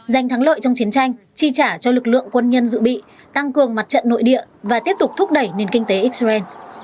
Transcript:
giành thắng lợi trong chiến tranh chi trả cho lực lượng quân nhân dự bị tăng cường mặt trận nội địa và tiếp tục thúc đẩy nền kinh tế israel